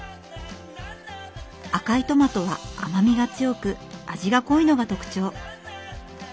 赤いトマトは甘みが強く味が濃いのが特長。